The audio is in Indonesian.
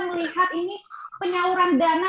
melihat ini penyauran dana